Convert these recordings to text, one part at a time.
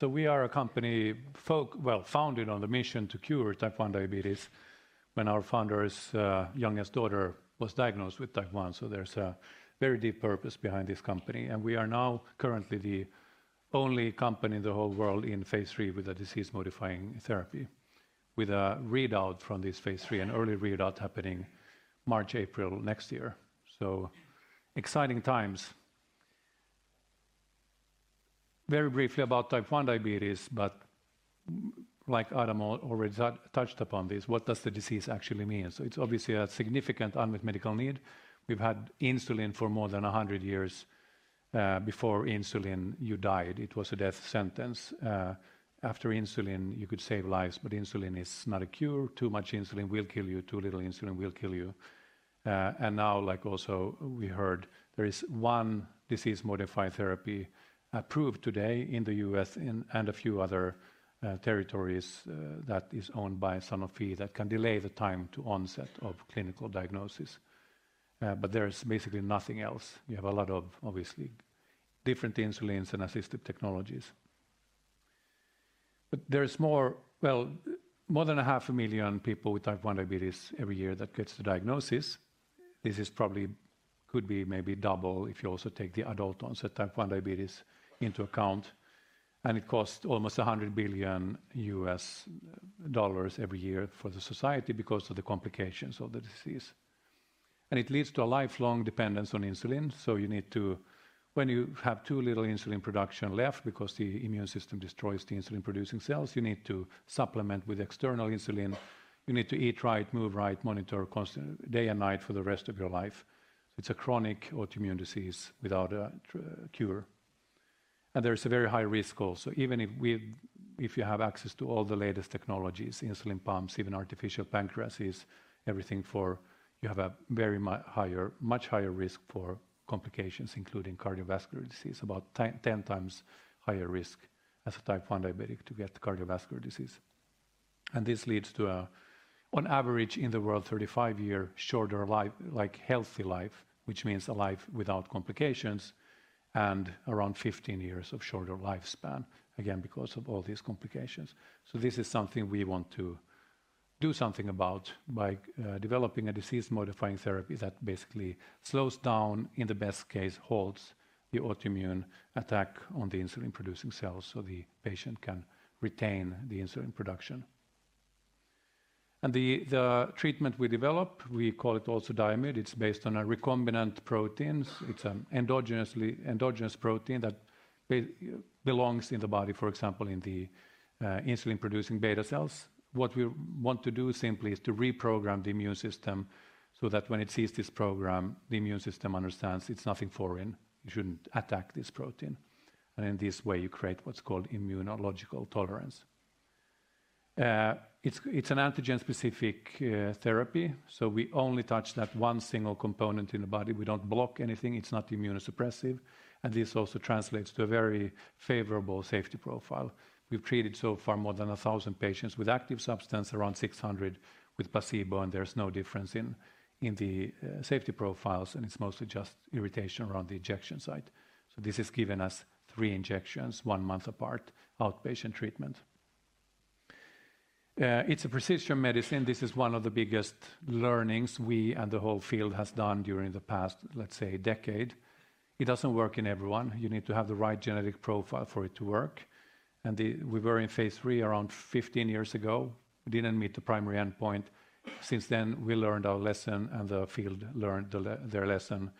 So we are a company founded on the mission to cure Type 1 diabetdiabeteses, when our founder's youngest daughter was diagnosed with Type 1. So there's a very deep purpose behind this company. And we are now currently the only company in the whole world in phase III with a disease-modifying therapy, with a readout from this phase III, an early readout happening March, April next year. So exciting times. Very briefly about Type 1 diabetes, but like Adam already touched upon this, what does the disease actually mean? So it's obviously a significant unmet medical need. We've had insulin for more than 100 years. Before insulin, you died. It was a death sentence. After insulin, you could save lives, but insulin is not a cure. Too much insulin will kill you. Too little insulin will kill you. Now, like also we heard, there is one disease-modifying therapy approved today in the U.S. and a few other territories that is owned by Sanofi, that can delay the time to onset of clinical diagnosis. There's basically nothing else. You have a lot of obviously different insulins and assistive technologies. There's more, well, more than 500,000 people with Type 1 diabetes every year that gets the diagnosis. This is probably could be maybe double if you also take the adult onset Type 1 diabetes into account. It costs almost $100 billion, every year for the society because of the complications of the disease. It leads to a lifelong dependence on insulin. You need to, when you have too little insulin production left because the immune system destroys the insulin-producing cells, you need to supplement with external insulin. You need to eat right, move right, monitor constantly day and night for the rest of your life. It's a chronic autoimmune disease without a cure, and there's a very high risk also. Even if you have access to all the latest technologies, insulin pumps, even artificial pancreases, everything for you have a very higher, much higher risk for complications, including cardiovascular disease, about 10 times higher risk as a Type 1 diabetic to get cardiovascular disease. And this leads to, on average in the world, 35 year shorter life, like healthy life, which means a life without complications and around 15 years of shorter lifespan, again, because of all these complications. So this is something we want to do something about by developing a disease-modifying therapy that basically slows down, in the best case, holds the autoimmune attack on the insulin-producing cells so the patient can retain the insulin production. And the treatment we develop, we call it also Diamyd. It's based on a recombinant protein. It's an endogenous protein that belongs in the body, for example, in the insulin-producing beta cells. What we want to do simply is to reprogram the immune system so that when it sees this protein, the immune system understands it's nothing foreign. You shouldn't attack this protein. And in this way, you create what's called immunological tolerance. It's an antigen-specific therapy. So we only touch that one single component in the body. We don't block anything. It's not immunosuppressive. And this also translates to a very favorable safety profile. We've treated so far more than 1,000 patients with active substance, around 600 with placebo, and there's no difference in the safety profiles, and it's mostly just irritation around the injection site, so this has given us three injections, one month apart, outpatient treatment. It's a precision medicine. This is one of the biggest learnings we and the whole field has done during the past, let's say, decade. It doesn't work in everyone. You need to have the right genetic profile for it to work, and we were in phase III around 15 years ago. We didn't meet the primary endpoint. Since then, we learned our lesson and the field learned their lesson.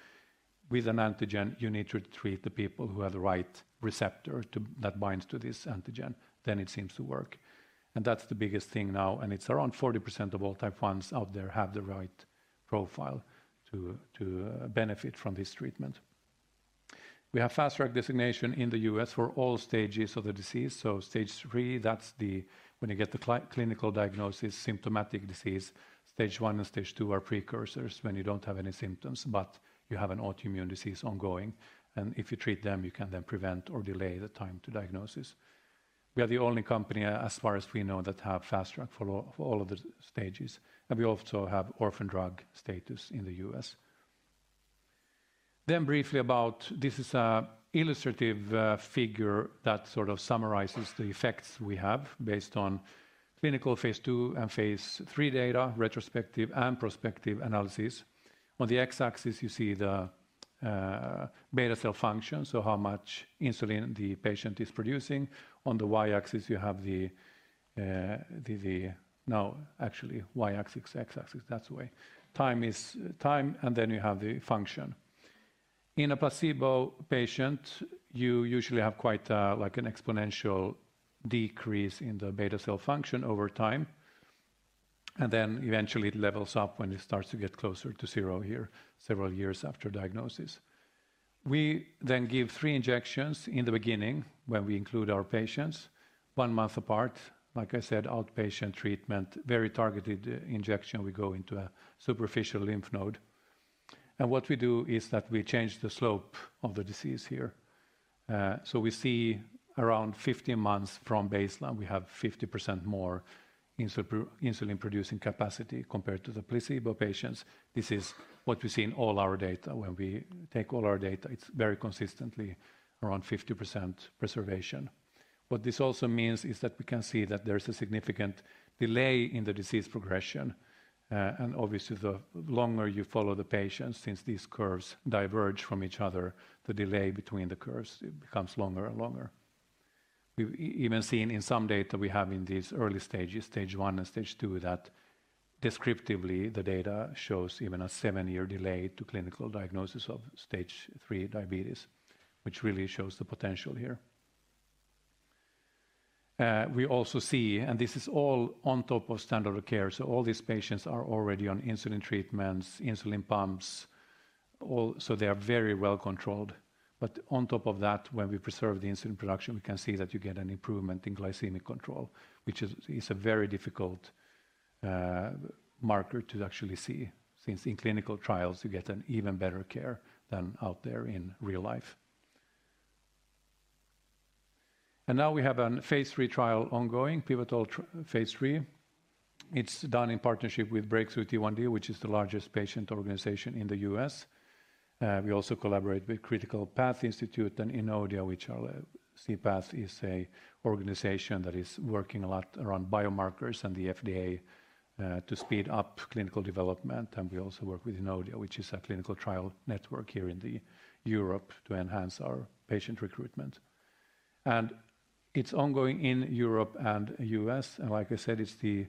With an antigen, you need to treat the people who have the right receptor that binds to this antigen. Then it seems to work, and that's the biggest thing now. It's around 40%, of all Type 1s out there have the right profile to benefit from this treatment. We have fast track designation in the U.S. for all stages of the disease. Stage III, that's when you get the clinical diagnosis, symptomatic disease. Stage one and stage II, are precursors when you don't have any symptoms, but you have an autoimmune disease ongoing. If you treat them, you can then prevent or delay the time to diagnosis. We are the only company, as far as we know, that have fast track for all of the stages. We also have orphan drug status in the U.S. Briefly, this is an illustrative figure that sort of summarizes the effects we have based on clinical phase II and phase III data, retrospective and prospective analysis. On the x-axis, you see the beta cell function, so how much insulin the patient is producing. On the y-axis, you have the now actually y-axis, x-axis, that's the way. Time is time, and then you have the function. In a placebo patient, you usually have quite an exponential decrease in the beta cell function over time. And then eventually it levels up when it starts to get closer to zero here, several years after diagnosis. We then give three injections in the beginning when we include our patients, one month apart. Like I said, outpatient treatment, very targeted injection. We go into a superficial lymph node. And what we do is that we change the slope of the disease here. So we see around 15 months from baseline, we have 50%, more insulin-producing capacity compared to the placebo patients. This is what we see in all our data. When we take all our data, it's very consistently around 50% preservation. What this also means is that we can see that there's a significant delay in the disease progression, and obviously, the longer you follow the patients, since these curves diverge from each other, the delay between the curves becomes longer and longer. We've even seen in some data we have in these early stages, stage one and stage II, that descriptively the data shows even a seven-year delay to clinical diagnosis of stage III diabetes, which really shows the potential here. We also see, and this is all on top of standard of care, so all these patients are already on insulin treatments, insulin pumps, so they are very well controlled. But on top of that, when we preserve the insulin production, we can see that you get an improvement in glycemic control, which is a very difficult marker to actually see, since in clinical trials, you get an even better care than out there in real life. And now we have a phase III trial ongoing, pivotal phase III. It's done in partnership with Breakthrough T1D, which is the largest patient organization in the U.S. We also collaborate with Critical Path Institute and INNODIA, C-Path we say organization that is working a lot around biomarkers and the FDA to speed up clinical development. And we also work with INNODIA, which is a clinical trial network here in Europe to enhance our patient recruitment. And it's ongoing in Europe and U.S. and like I said, it's the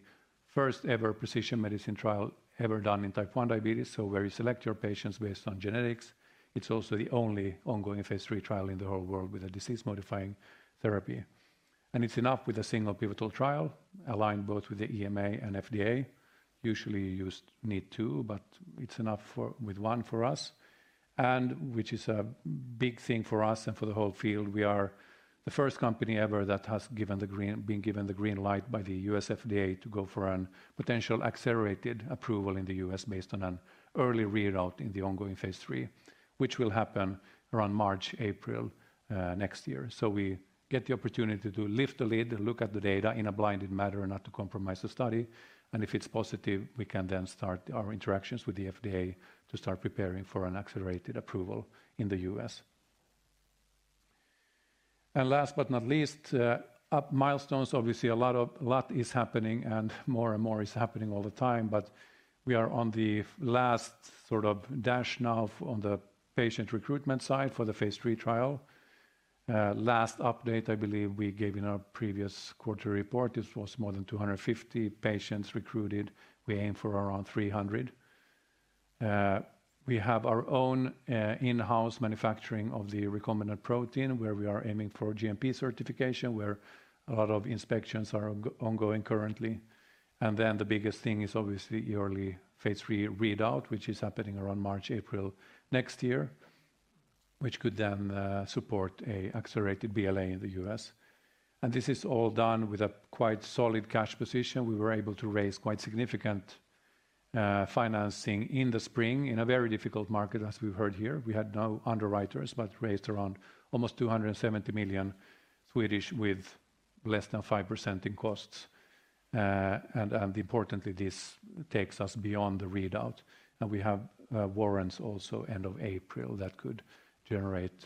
first ever precision medicine trial ever done in Type 1 diabetes. Where you select your patients based on genetics, it's also the only ongoing phase III trial in the whole world with a disease-modifying therapy. And it's enough with a single pivotal trial aligned both with the EMA and FDA. Usually, you need two, but it's enough with one for us, which is a big thing for us and for the whole field. We are the first company ever that has been given the green light by the U.S. FDA to go for a potential accelerated approval in the U.S. based on an early readout in the ongoing phase III, which will happen around March, April next year. So we get the opportunity to lift the lid and look at the data in a blinded manner and not to compromise the study. If it's positive, we can then start our interactions with the FDA to start preparing for an accelerated approval in the U.S. Last but not least, milestones, obviously a lot is happening and more and more is happening all the time, but we are on the last sort of dash now on the patient recruitment side for the phase III trial. Last update, I believe we gave in our previous quarter report. This was more than 250 patients recruited. We aim for around 300. We have our own in-house manufacturing of the recombinant protein where we are aiming for GMP Certification, where a lot of inspections are ongoing currently. Then the biggest thing is obviously early phase III readout, which is happening around March, April next year, which could then support an accelerated BLA in the U.S. This is all done with a quite solid cash position. We were able to raise quite significant financing in the spring in a very difficult market, as we've heard here. We had no underwriters, but raised around almost 270 million, with less than 5% in costs. Importantly, this takes us beyond the readout. We have warrants also end of April that could generate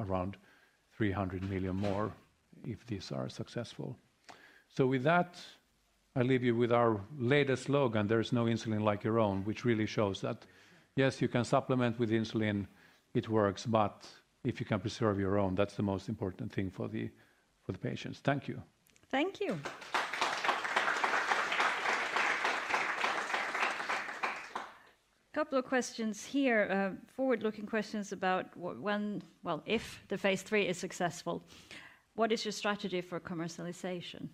around 300 million, more if these are successful. With that, I leave you with our latest slogan, "There is no insulin like your own," which really shows that yes, you can supplement with insulin, it works, but if you can preserve your own, that's the most important thing for the patients. Thank you. Thank you. A couple of questions here, forward-looking questions about, well, if the phase III is successful, what is your strategy for commercialization?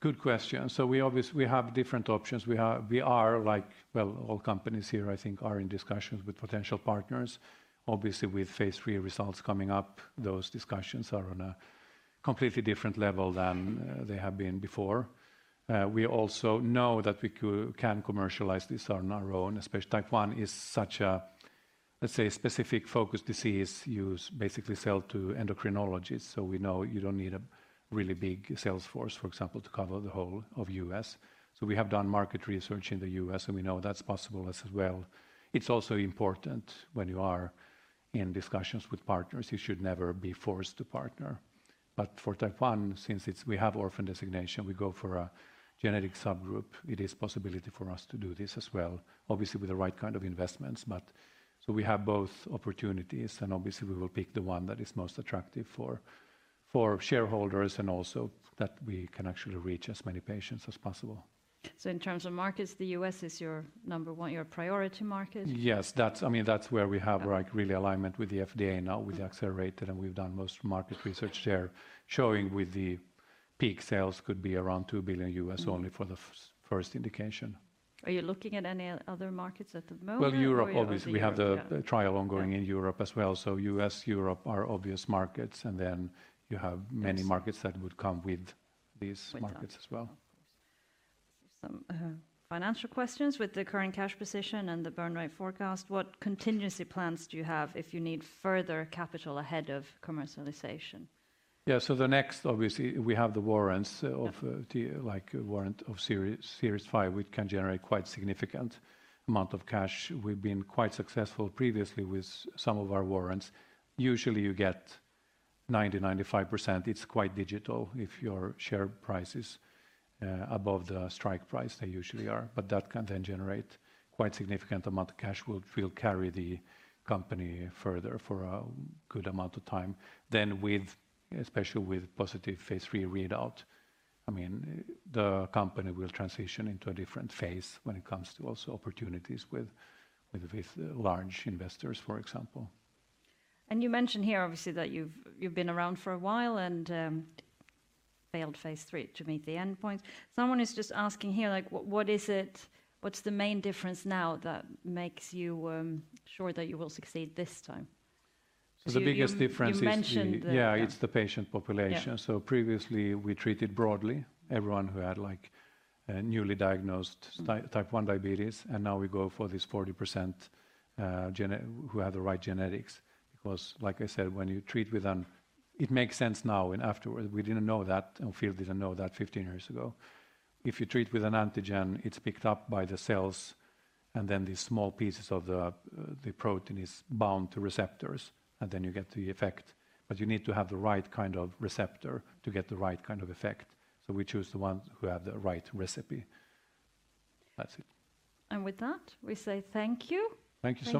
Good question. So we have different options. We are, like, well, all companies here, I think, are in discussions with potential partners. Obviously, with phase III results coming up, those discussions are on a completely different level than they have been before. We also know that we can commercialize this on our own, especially Type 1 is such a, let's say, specific focus disease use, basically specialty endocrinology. So we know you don't need a really big sales force, for example, to cover the whole of the US. So we have done market research in the US and we know that's possible as well. It's also important when you are in discussions with partners, you should never be forced to partner. But for Type 1, since we have orphan designation, we go for a genetic subgroup, it is a possibility for us to do this as well, obviously with the right kind of investments, but so we have both opportunities and obviously we will pick the one that is most attractive for shareholders and also that we can actually reach as many patients as possible. In terms of markets, the U.S. is your number one, your priority market? Yes, that's, I mean, that's where we have really alignment with the FDA now with the accelerated, and we've done most market research there showing with the peak sales could be around $2 billion US only for the first indication. Are you looking at any other markets at the moment? Well, Europe, obviously we have the trial ongoing in Europe as well. So U.S., Europe are obvious markets and then you have many markets that would come with these markets as well. Some financial questions with the current cash position and the burn rate forecast. What contingency plans do you have if you need further capital ahead of commercialization? Yeah, so the next, obviously, we have the warrants, like warrants of Series 5, which can generate quite significant amount of cash. We've been quite successful previously with some of our warrants. Usually you get 90%-95%. It's quite dilutive if your share price is above the strike price they usually are, but that can then generate quite significant amount of cash, which will carry the company further for a good amount of time. Then, with, especially with positive phase three readout, I mean, the company will transition into a different phase when it comes to also opportunities with large investors, for example. You mentioned here, obviously, that you've been around for a while and failed phase 3 to meet the endpoint. Someone is just asking here, like, what is it, what's the main difference now that makes you sure that you will succeed this time? So the biggest difference is, yeah, it's the patient population. So previously we treated broadly everyone who had like newly diagnosed Type 1 diabetes, and now we go for this 40% who have the right genetics. Because like I said, when you treat with an, it makes sense now and afterwards, we didn't know that and field didn't know that 15 years ago. If you treat with an antigen, it's picked up by the cells and then these small pieces of the protein is bound to receptors and then you get the effect. But you need to have the right kind of receptor to get the right kind of effect. So we choose the one who have the right recipe. That's it. With that, we say thank you. Thank you so much.